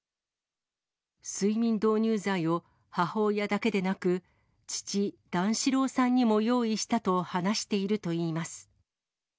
睡眠導入剤を、母親だけでなく、父、段四郎さんにも用意したと話しているといいます。